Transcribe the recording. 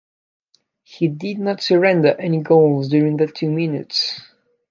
He did not surrender any goals during the two minutes.